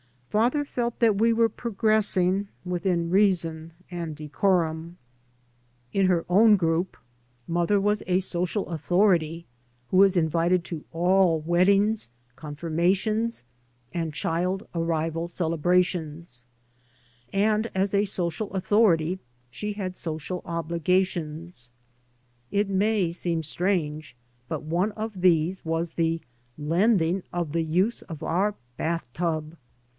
Father felt that we were progressing, within reason and decorum. In her own group mother was a social 3 by Google MY MOTHER AND I authority who was invited to all weddings, confirmations, and child arrival celebrations. And as a social authority she had social ob ligations. It may seem strange, but one of these was the lending of the use of our bath tub.